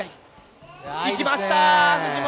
いきました、藤本！